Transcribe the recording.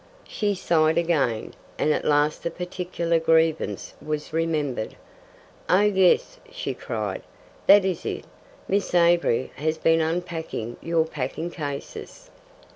She sighed again, and at last the particular grievance was remembered. "Oh yes," she cried, "that is it: Miss Avery has been unpacking your packing cases."